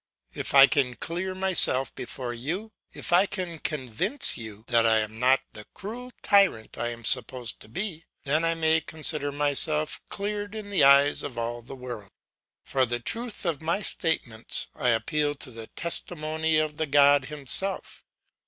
If I can clear myself before you, if I can convince you that I am not the cruel tyrant I am supposed to be, then I may consider myself cleared in the eyes of all the world. For the truth of my statements, I appeal to the testimony of the God himself.